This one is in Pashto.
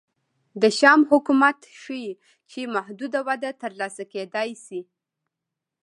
د شیام حکومت ښيي چې محدوده وده ترلاسه کېدای شي